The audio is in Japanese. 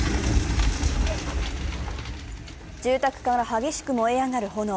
住宅から激しく燃え上がる炎。